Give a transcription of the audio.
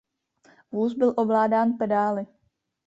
Vůz byl ovládán pedály.